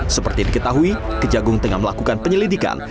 seperti diketahui kejagung tengah melakukan penyelidikan